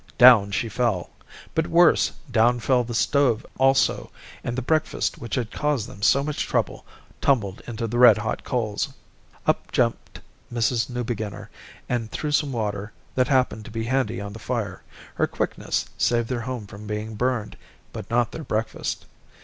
Down she fell. But worse, down fell the stove also, and the breakfast which had caused them so much trouble tumbled into the red hot coals. Up jumped Mrs. Newbeginner, and threw some water that happened to be handy on the fire. Her quickness saved their home from being burned, but not their breakfast.